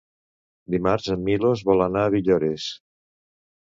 Dimarts en Milos vol anar a Villores.